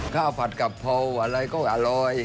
ข้าวผัดกับโผล่อะไรก็อร่อย